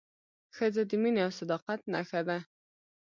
ښځه د مینې او صداقت نښه ده.